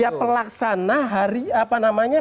ya pelaksana hari apa namanya